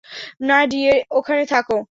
না, ডিএর ওখানে থাকো।